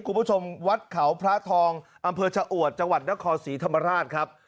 คุณผู้ชมวัดเขาพระทองอำเภอชะอวดจังหวัดนครศรีธรรมราชครับ